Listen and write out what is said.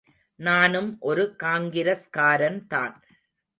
நானும் ஒரு காங்கிரஸ்காரன் தான்.